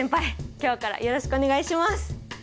今日からよろしくお願いします！